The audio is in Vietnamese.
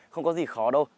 không có gì khó đâu